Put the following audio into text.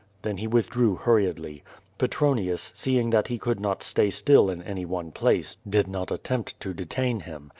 Then he withdrew hurriedly. Petronius, seeing that he could not stay still in any one place, did not attempt to detain him.